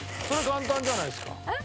簡単じゃないですか。